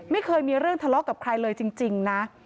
ไม่เคยมีเรื่องทะเลาะกับใครเลยจริงนะ